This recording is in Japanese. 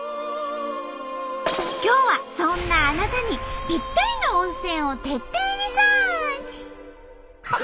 今日はそんなあなたにぴったりの温泉を徹底リサーチ！